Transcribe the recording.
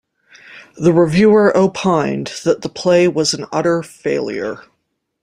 The reviewer opined that the play was an utter failure.